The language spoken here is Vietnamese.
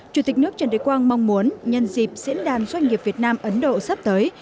chủ tịch nước trần đại quang mong muốn nhân dịp diễn đàn doanh nghiệp việt nam ấn độ sắp tới